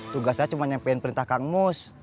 tugasnya cuma nyampein perintah kang mus